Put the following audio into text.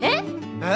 えっ！？